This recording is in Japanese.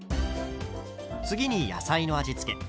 次に野菜の味付け。